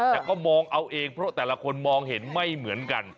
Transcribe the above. แต่ก็มองเอาเองเพราะแต่ละคนมองเห็นไม่เหมือนกัน